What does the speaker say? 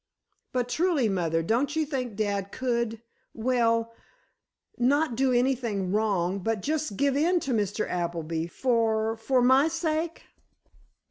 "But, truly, mother, don't you think dad could—well, not do anything wrong—but just give in to Mr. Appleby—for—for my sake?"